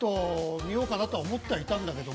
見ようかなとは思っていたんですけど